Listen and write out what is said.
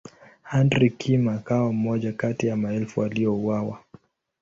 Andrea Kim akawa mmoja kati ya maelfu waliouawa.